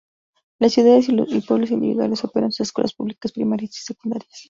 Las ciudades y los pueblos individuales operan sus escuelas públicas primarias y secundarias.